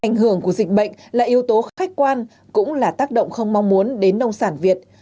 ảnh hưởng của dịch bệnh là yếu tố khách quan cũng là tác động không mong muốn đến nông sản việt